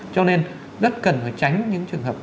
cho nên rất cần tránh những trường hợp